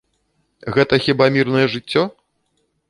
Гэта хіба мірнае жыццё?